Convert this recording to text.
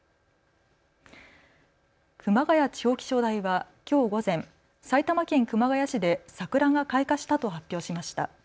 熊谷地方気象台はきょう午前、埼玉県熊谷市で桜が開花したと発表しました。